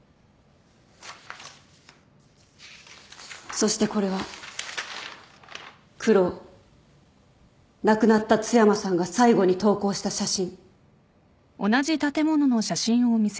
そしてこれはクロウ亡くなった津山さんが最後に投稿した写真。